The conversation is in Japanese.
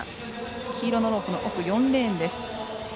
黄色のロープの奥４レーンです。